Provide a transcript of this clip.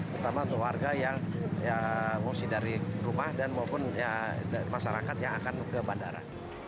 terutama untuk warga yang mengungsi dari rumah dan maupun masyarakat yang akan ke bandara